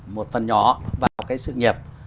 một phần nhỏ vào cái sự nghiệp